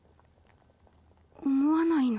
思わないの？